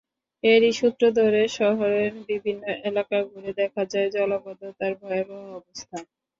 এরই সূত্র ধরে শহরের বিভিন্ন এলাকা ঘুরে দেখা যায় জলাবদ্ধতার ভয়াবহ অবস্থা।